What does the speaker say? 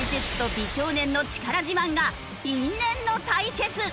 美少年の力自慢が因縁の対決！